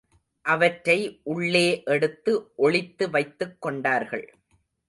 அவற்றை உள்ளே எடுத்து ஒளித்து வைத்துக் கொண்டார்கள்.